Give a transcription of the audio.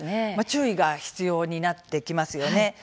注意が必要になってきますよね。